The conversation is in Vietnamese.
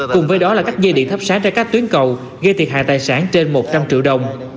cùng với đó là cắt dây điện thắp sát ra các tuyến cầu gây thiệt hại tài sản trên một trăm linh triệu đồng